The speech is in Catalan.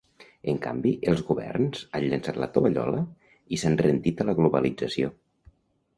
En canvi, els governs han llençat la tovallola i s'han rendit a la globalització.